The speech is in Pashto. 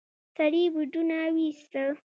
سړي بوټونه وايستل.